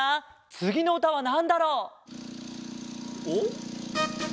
つぎのうたはなんだろう？おっ？